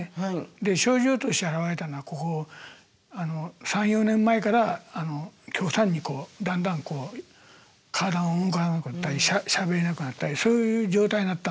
で症状として現れたのはここ３４年前から極端にだんだん体が動かなくなったりしゃべれなくなったりそういう状態になったんですよ。